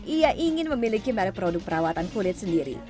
ia ingin memiliki merek produk perawatan kulit sendiri